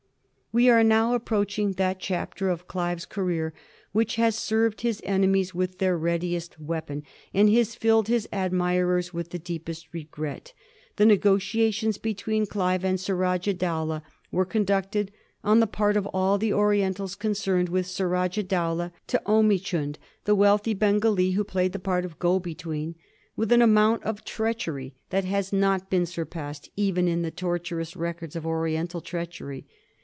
We are now approaching that chapter of Olive's career which has served his enemies with their readiest weapon, and has filled his admirers with the deepest regret. The negotiations between Clive and Surajah Dowlah were conducted on the part of all the Orientals concerned, from Surajah Dowlah to Omichund, the wealthy Bengalee who played the part of go between, with an amount of treach ery that has not been surpassed even in the tortuous rec ords of Oriental treachery.